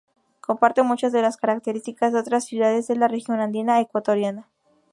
Comparte muchas de las características de otras ciudades de la región andina ecuatoriana.